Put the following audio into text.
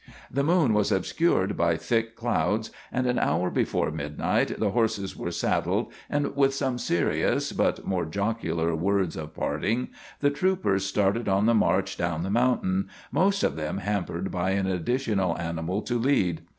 The moon was obscured by thick clouds, and an hour before midnight the horses were saddled, and with some serious, but more jocular, words of parting, the troopers started on the march down the mountain, most of them hampered by an additional animal to lead.